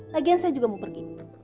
lagian saya juga mau pergi